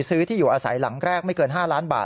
ซื้อที่อยู่อาศัยหลังแรกไม่เกิน๕ล้านบาท